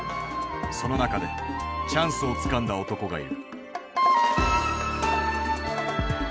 その中でチャンスをつかんだ男がいる。